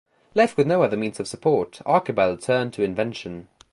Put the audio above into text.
Left with no other means of support, Archibald turned to invention.